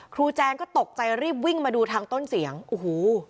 แจงก็ตกใจรีบวิ่งมาดูทางต้นเสียงโอ้โห